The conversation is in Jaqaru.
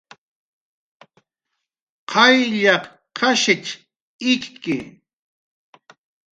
Qayllaq qashich ikki